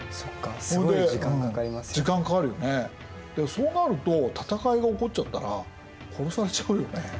そうなると戦いが起こっちゃったら殺されちゃうよね？